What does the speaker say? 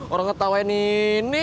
orang ketawain ini